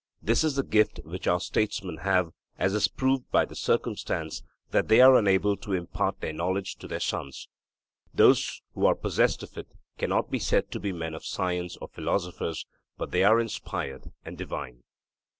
This is the gift which our statesmen have, as is proved by the circumstance that they are unable to impart their knowledge to their sons. Those who are possessed of it cannot be said to be men of science or philosophers, but they are inspired and divine.